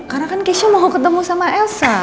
karena kan keisha mau ketemu sama elsa